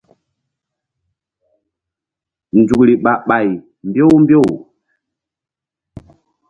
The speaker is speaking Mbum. Nzukri ɓah ɓay mbew mbew.